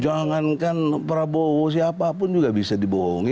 jangankan prabowo siapapun juga bisa dibohongi